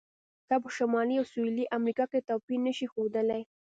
دا په شمالي او سویلي امریکا کې توپیر نه شي ښودلی.